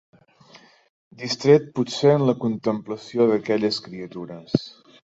Distret potser en la contemplació d'aquelles criatures